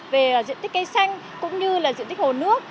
về diện tích cây xanh cũng như là diện tích hồ nước